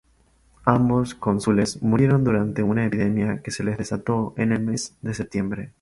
Ambos cónsules murieron durante una epidemia que se desató en el mes de septiembre.